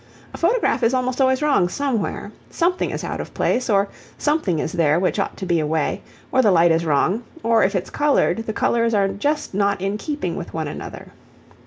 A photograph is almost always wrong somewhere. Something is out of place, or something is there which ought to be away, or the light is wrong; or, if it's coloured, the colours are just not in keeping with one another.